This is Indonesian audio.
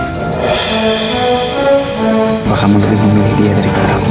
aku akan menerima milih dia daripada aku